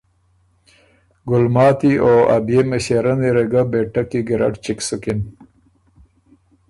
ګلماتی او ا بيې مِݭېرنی ره ګۀ بهېټک کی ګیرډ چِک سُکِن